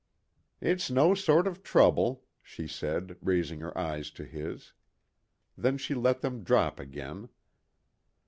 "It's no sort of trouble," she said, raising her eyes to his. Then she let them drop again.